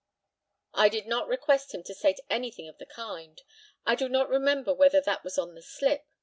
I did not request him to state anything of the kind. I do not remember whether that was on the slip.